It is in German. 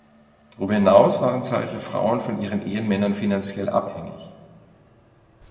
Darüber hinaus waren zahlreiche Frauen von ihren Ehemännern finanziell abhängig.